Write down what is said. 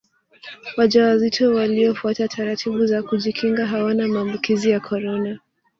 wajawazito waliyofuata taratibu za kujikinga hawana maambukizi ya korona